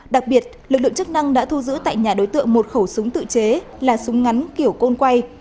đặc biệt lực lượng chức năng đã thu giữ tại nhà đối tượng một khẩu súng tự chế là súng ngắn kiểu côn quay